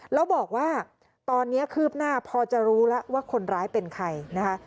แล้วบอกว่าตอนนี้คืบหน้าพอจะรู้แล้วว่าคนร้ายเป็นใครนะคะ